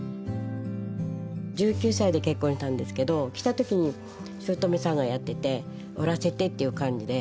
１９歳で結婚したんですけど来た時にしゅうとめさんがやってて「織らせて」っていう感じで。